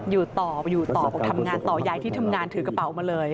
อยู่ต่อไปอยู่ต่อบอกทำงานต่อย้ายที่ทำงานถือกระเป๋ามาเลย